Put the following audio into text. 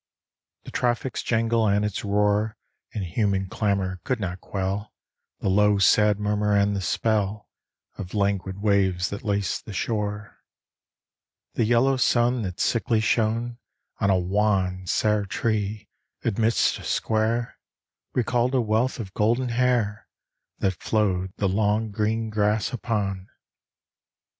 The traffic's jangle and its roar And human clamour could not quell The low sad murmur and the spell Of languid waves that laced the shore. The yellow sun that sickly shone On a wan, sere tree, amidst a square, Recalled a wealth of golden hair That flowed the long, green grass upon.